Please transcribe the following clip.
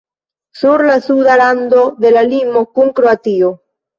Sur la suda rando de la limo kun Kroatio.